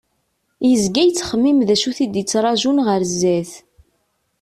Yezga yettxemmim d acu it-id-ttrajun ɣer sdat.